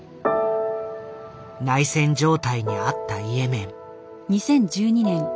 内戦状態にあったイエメン。